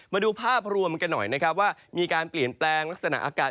มาดูภาพรวมกันหน่อยนะครับว่ามีการเปลี่ยนแปลงลักษณะอากาศ